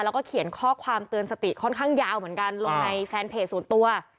แล้วก็เขียนข้อความเตือนสติค่อนข้างยาวเหมือนกันลงในแฟนเพจส่วนตัว